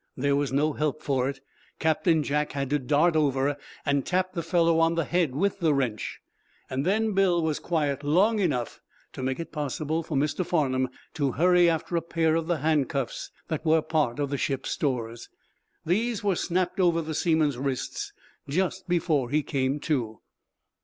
There was no help for it. Captain Jack had to dart over and tap the fellow on the head with the wrench. Then Bill was quiet long enough to make it possible, for Mr. Farnum to hurry after a pair of the handcuffs that were a part of ship's stores. These were snapped over the seaman's wrists just before he came to.